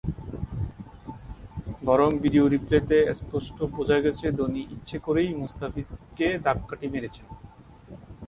বরং ভিডিও রিপ্লেতে স্পষ্ট বোঝা গেছে, ধোনি ইচ্ছে করেই মুস্তাফিজকে ধাক্কাটি মেরেছেন।